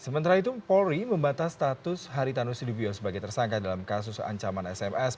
sementara itu polri membatas status haritanu sudibio sebagai tersangka dalam kasus ancaman sms